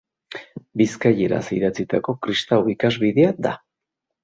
Bizkaieraz idatzitako kristau ikasbidea da.